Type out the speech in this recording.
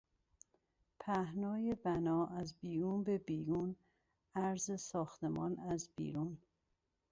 پهنای بنا از بیرون به بیرون، عرض ساختمان از بیرون